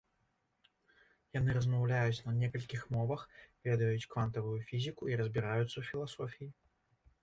Яны размаўляюць на некалькіх мовах, ведаюць квантавую фізіку і разбіраюцца ў філасофіі.